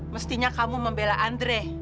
mestinya kamu membela andre